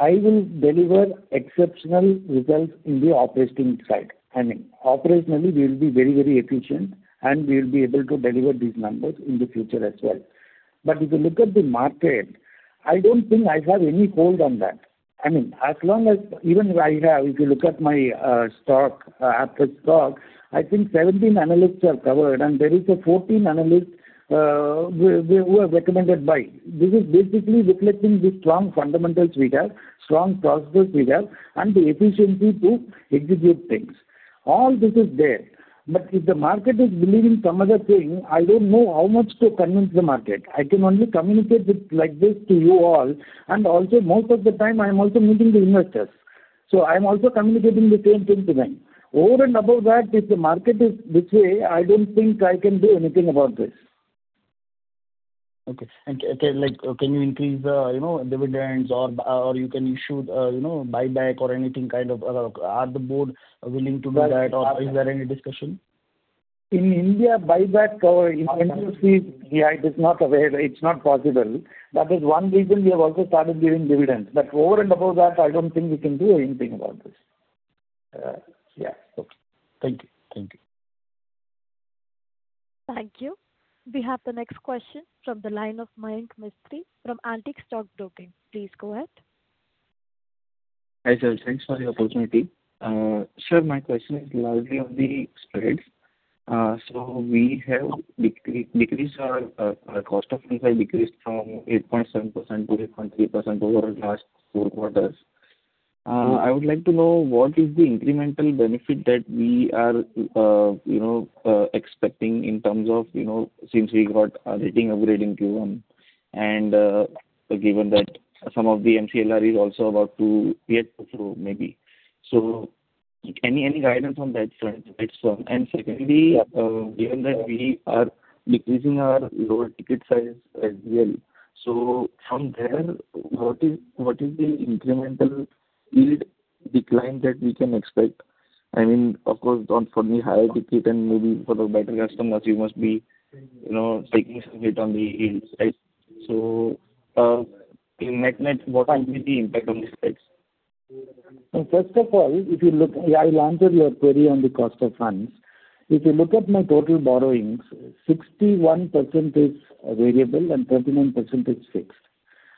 I will deliver exceptional results in the operating side. I mean, operationally, we will be very, very efficient, and we will be able to deliver these numbers in the future as well. But if you look at the market, I don't think I have any hold on that. I mean, as long as even I have, if you look at my stock, at the stock, I think 17 analysts have covered, and there are 14 analysts who have recommended buy. This is basically reflecting the strong fundamentals we have, strong prospects we have, and the efficiency to execute things. All this is there, but if the market is believing some other thing, I don't know how much to convince the market. I can only communicate it like this to you all, and also, most of the time, I am also meeting the investors. So I am also communicating the same thing to them. Over and above that, if the market is this way, I don't think I can do anything about this. Okay. And can, like, can you increase the, you know, dividends or, or you can issue, you know, buyback or anything kind of... Are the board willing to do that, or is there any discussion? In India, buyback or yeah, it is not available, it's not possible. That is one reason we have also started giving dividends. But over and above that, I don't think we can do anything about this. Yeah. Okay. Thank you. Thank you. Thank you. We have the next question from the line of Mayank Mistry from Antique Stock Broking. Please go ahead. Hi, sir. Thanks for the opportunity. Sir, my question is largely on the spreads. So our cost of funds has decreased from 8.7% to 8.3% over the last four quarters. I would like to know what is the incremental benefit that we are, you know, expecting in terms of, you know, since we got a rating upgrade in Q1, and, given that some of the MCLR is also about to get through, maybe. So any guidance on that front? That's one. And secondly, given that we are decreasing our lower ticket size as well, so from there, what is the incremental yield decline that we can expect? I mean, of course, on for the higher ticket and maybe for the better customers, you must be, you know, taking some hit on the yield side. So, in net-net, what might be the impact on the spreads? First of all, if you look... I will answer your query on the cost of funds. If you look at my total borrowings, 61% is variable and 39% is fixed.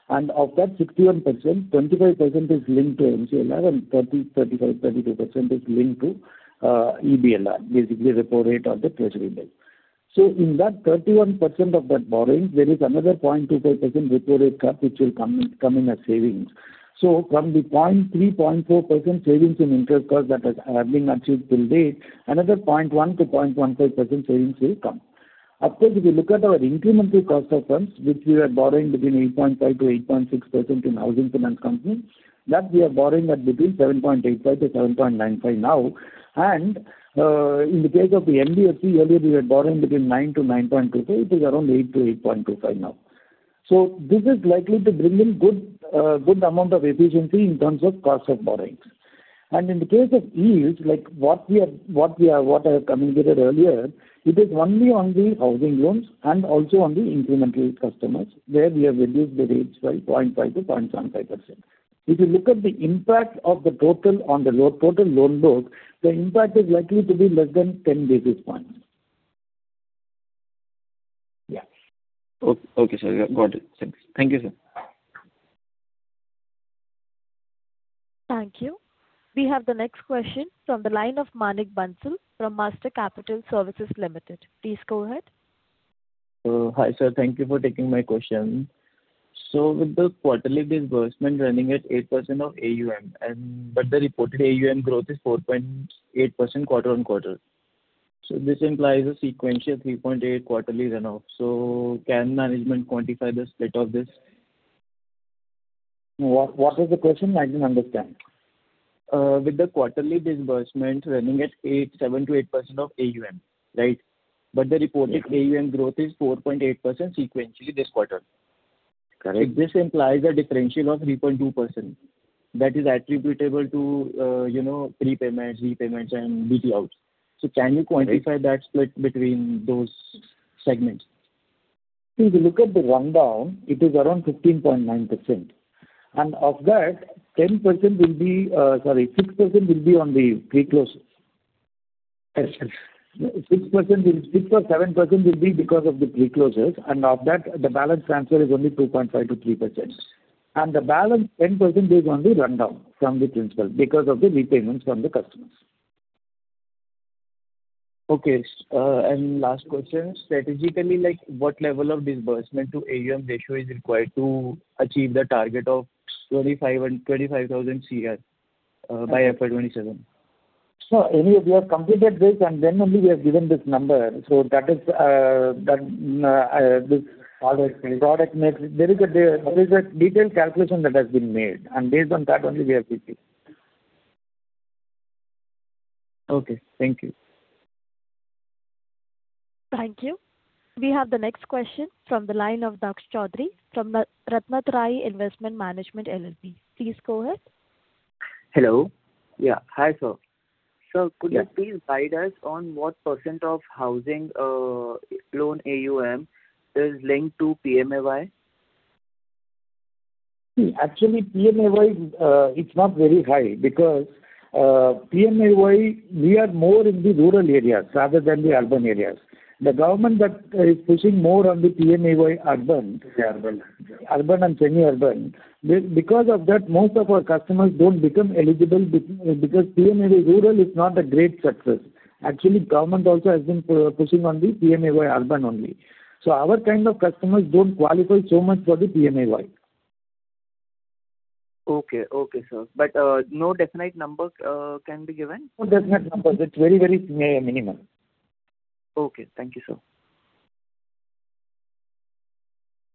And of that 61%, 25% is linked to MCLR, and 30, 35, 32% is linked to EBLR, basically repo rate or the treasury bill. So in that 31% of that borrowings, there is another 0.25% repo rate cut, which will come in as savings. So from the 0.3, 0.4% savings in interest cost that has, have been achieved till date, another 0.1%-0.15% savings will come. Of course, if you look at our incremental cost of funds, which we are borrowing between 8.5%-8.6% in housing finance company, that we are borrowing at between 7.85%-7.95% now. And, in the case of the NBFC, earlier we were borrowing between 9-9.25, it is around 8-8.25 now. So this is likely to bring in good, good amount of efficiency in terms of cost of borrowings. And in the case of yields, like what we have, what we have, what I have communicated earlier, it is only on the housing loans and also on the incremental customers, where we have reduced the rates by 0.5%-0.75%. If you look at the impact of the total on the loan, total loan load, the impact is likely to be less than 10 basis points. Okay, sir, yeah, got it. Thanks. Thank you, sir. Thank you. We have the next question from the line of Manik Bansal from Master Capital Services Limited. Please go ahead. Hi, sir. Thank you for taking my question. So with the quarterly disbursement running at 8% of AUM, and but the reported AUM growth is 4.8% quarter-on-quarter. So this implies a sequential 3.8 quarterly runoff. So can management quantify the split of this? What, what is the question? I didn't understand. with the quarterly disbursement running at 8.7%-8% of AUM, right? But the reported- Yes. AUM growth is 4.8% sequentially this quarter. Correct. This implies a differential of 3.2% that is attributable to, you know, prepayments, repayments, and BT outs. Right. Can you quantify that split between those segments? If you look at the rundown, it is around 15.9%, and of that, 10% will be, six percent will be on the pre-closes. Yes, yes. 6% will, 6%-7% will be because of the pre-closes, and of that, the balance transfer is only 2.5%-3%. And the balance, 10%, is on the rundown from the principal because of the repayments from the customers. Okay. Last question: strategically, like, what level of disbursement to AUM ratio is required to achieve the target of 25,000 crore by FY 2027? So anyway, we have completed this, and then only we have given this number. So that is, that, this product, product mix. There is a detailed calculation that has been made, and based on that only, we have prepared. Okay, thank you. Thank you. We have the next question from the line of Daksh Chaudhary from the Ratnatrayi Investment Management LLP. Please go ahead. Hello. Yeah. Hi, sir. Yeah. Sir, could you please guide us on what percent of housing loan AUM is linked to PMAY? Actually, PMAY, it's not very high because PMAY, we are more in the rural areas rather than the urban areas. The government is pushing more on the PMAY urban, urban and semi-urban. Because of that, most of our customers don't become eligible because PMAY rural is not a great success. Actually, government also has been pushing on the PMAY urban only. So our kind of customers don't qualify so much for the PMAY. Okay. Okay, sir. But, no definite number can be given? No definite number. It's very, very minimal. Okay. Thank you, sir.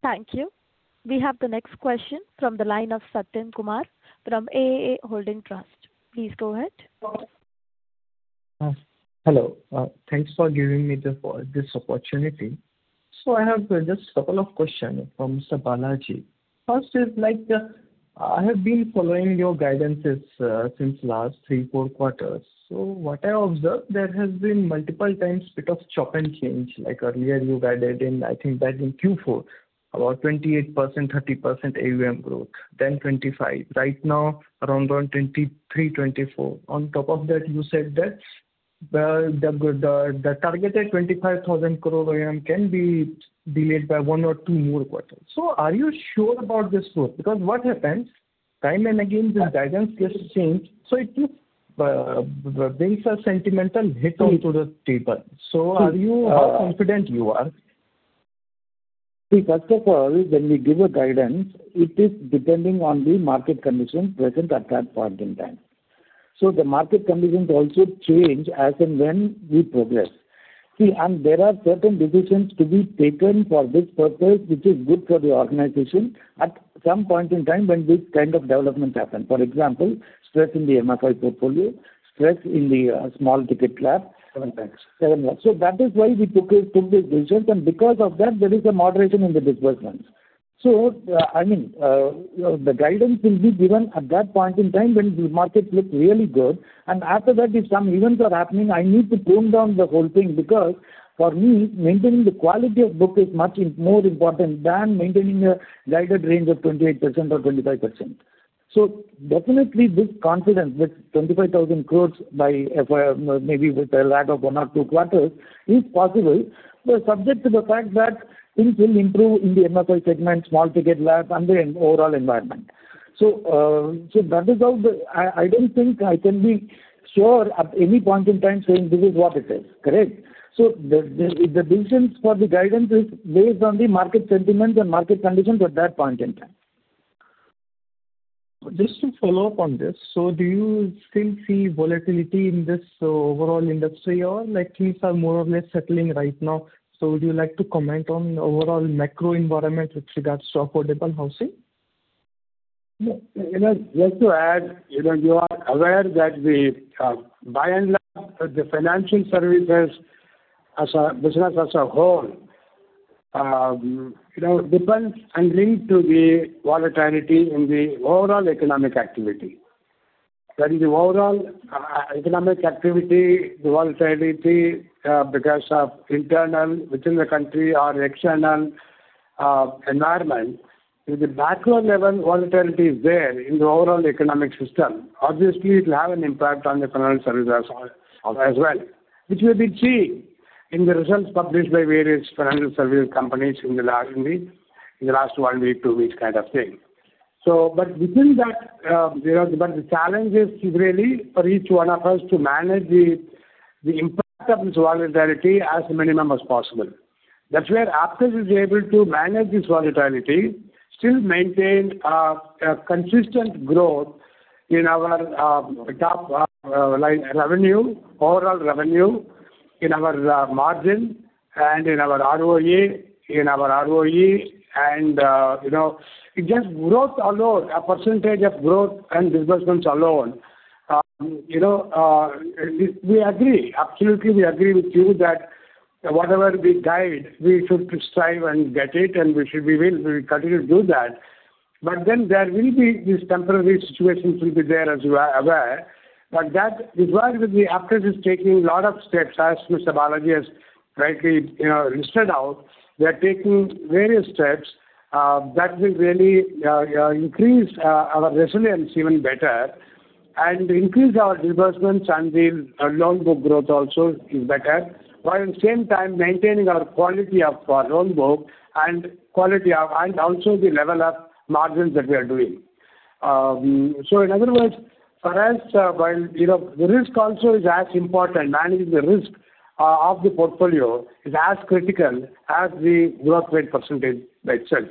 Thank you. We have the next question from the line of Saten Kumar from AAA Holding Trust. Please go ahead. Hello. Thanks for giving me this, this opportunity. So I have just a couple of questions from Mr. Balaji. First is, like, I have been following your guidances since last three, four quarters. So what I observed, there has been multiple times bit of chop and change. Like earlier, you guided in, I think back in Q4, about 28%, 30% AUM growth, then 25. Right now, around on 23, 24. On top of that, you said that the targeted 25,000 crore AUM can be delayed by one or two more quarters. So are you sure about this growth? Because what happens, time and again, the guidance gets changed, so it brings a sentimental hit onto the table. See- So are you confident you are? See, first of all, when we give a guidance, it is depending on the market conditions present at that point in time. So the market conditions also change as and when we progress. See, and there are certain decisions to be taken for this purpose, which is good for the organization at some point in time when this kind of development happens. For example, stress in the MFI portfolio, stress in the small ticket LAP- Seven banks. Seven LAPs. So that is why we took it, took the decision, and because of that, there is a moderation in the disbursements. So, I mean, the guidance will be given at that point in time when the market looks really good, and after that, if some events are happening, I need to tone down the whole thing, because for me, maintaining the quality of book is much more important than maintaining a guided range of 28% or 25%. So definitely this confidence, this 25,000 crore by FY, maybe with a lag of one or two quarters, is possible, but subject to the fact that things will improve in the MFI segment, small ticket LAP, and the overall environment. So, so that is how the... I don't think I can be sure at any point in time saying this is what it is, correct? So the decision for the guidance is based on the market sentiments and market conditions at that point in time. Just to follow up on this, so do you still see volatility in this overall industry, or like things are more or less settling right now? So would you like to comment on the overall macro environment with regards to affordable housing? Yeah, you know, just to add, you know, you are aware that the, by and large, the financial services as a business as a whole, you know, depends and linked to the volatility in the overall economic activity. When the overall economic activity, the volatility because of internal within the country or external environment, if the macro-level volatility is there in the overall economic system, obviously it will have an impact on the financial services as well. Which will be seen in the results published by various financial service companies in the last week, in the last one week, two weeks, kind of thing. So but within that, you know, but the challenge is really for each one of us to manage the impact of this volatility as minimum as possible. That's where Aptus is able to manage this volatility, still maintain a consistent growth in our top line revenue, overall revenue, in our margin, and in our ROE, in our ROE, and you know, just growth alone, a percentage of growth and disbursements alone. You know, we agree, absolutely, we agree with you that whatever we guide, we should strive and get it, and we should be willing to continue to do that. But then there will be these temporary situations will be there, as you are aware, but that is why with the Aptus is taking a lot of steps, as Mr. Balaji has rightly, you know, listed out. We are taking various steps, that will really, increase, our resilience even better and increase our disbursements and the loan book growth also is better, while at the same time maintaining our quality of our loan book and quality of, and also the level of margins that we are doing. So in other words, for us, while, you know, the risk also is as important, managing the risk, of the portfolio is as critical as the growth rate percentage by itself.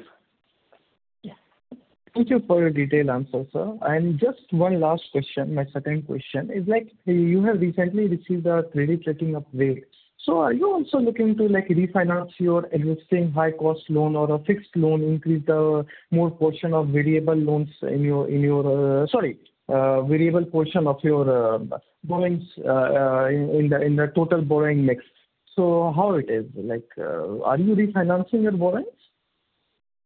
Thank you for your detailed answer, sir. And just one last question. My second question is, like, you have recently received a credit rating upgrade. So are you also looking to, like, refinance your existing high-cost loan or a fixed loan, increase the more portion of variable loans in your, in your... Sorry, variable portion of your, borrowings, in the, in the total borrowing mix? So how it is, like, are you refinancing your borrowings?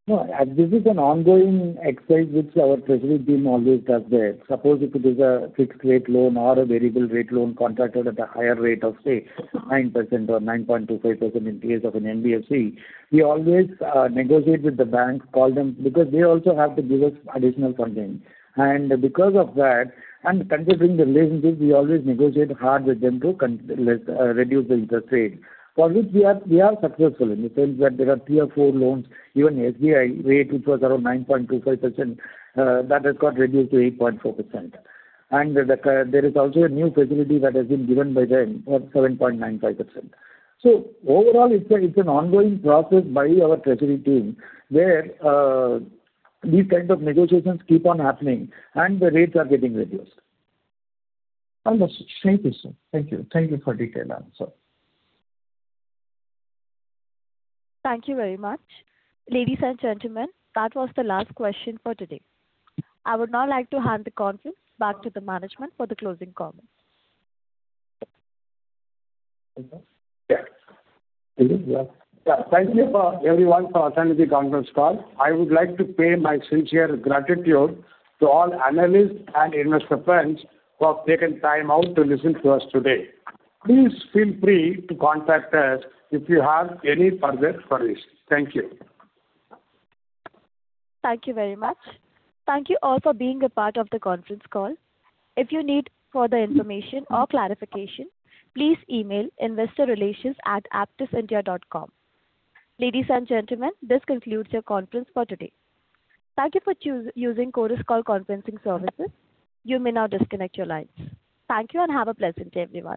No, this is an ongoing exercise which our treasury team always does there. Suppose if it is a fixed-rate loan or a variable-rate loan contracted at a higher rate of, say, 9% or 9.25% in case of an NBFC, we always negotiate with the banks, call them, because they also have to give us additional funding. And because of that, and considering the relationship, we always negotiate hard with them to reduce the interest rate, for which we are successful in the sense that there are three or four loans, even SBI rate, which was around 9.25%, that has got reduced to 8.4%. And there is also a new facility that has been given by them of 7.95%. So overall, it's an ongoing process by our treasury team, where these kind of negotiations keep on happening and the rates are getting reduced. Understood. Thank you, sir. Thank you. Thank you for detailed answer. Thank you very much. Ladies and gentlemen, that was the last question for today. I would now like to hand the conference back to the management for the closing comments. Yeah. Yeah. Thank you for everyone for attending the conference call. I would like to pay my sincere gratitude to all analysts and investor friends who have taken time out to listen to us today. Please feel free to contact us if you have any further queries. Thank you. Thank you very much. Thank you all for being a part of the conference call. If you need further information or clarification, please email investorrelations@aptusindia.com. Ladies and gentlemen, this concludes your conference for today. Thank you for choosing, using Chorus Call Conferencing Services. You may now disconnect your lines. Thank you and have a pleasant day, everyone.